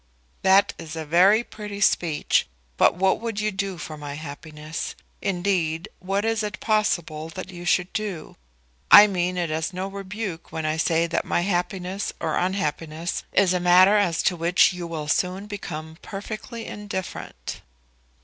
"That is a very pretty speech, but what would you do for my happiness? Indeed, what is it possible that you should do? I mean it as no rebuke when I say that my happiness or unhappiness is a matter as to which you will soon become perfectly indifferent."